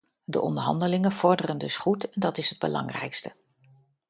De onderhandelingen vorderen dus goed en dat is het belangrijkste.